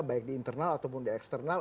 baik di internal ataupun di eksternal